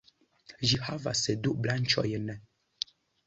Ĝi havas du branĉojn.